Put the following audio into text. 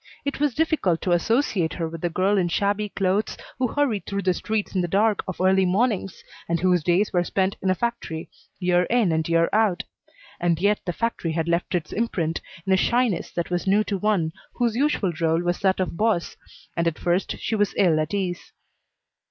It was difficult to associate her with the girl in shabby clothes who hurried through the streets in the dark of early mornings, and whose days were spent in a factory, year in and year out; and yet the factory had left its imprint in a shyness that was new to one whose usual role was that of boss, and at first she was ill at ease.